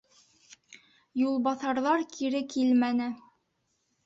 Юлбаҫарҙар кире килмәне.